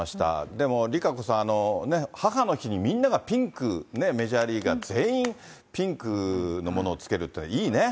でもＲＩＫＡＣＯさん、母の日にみんながピンク、メジャーリーガー全員ピンクのものをつけるっていうのはいいね。